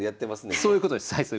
はいそういうことです。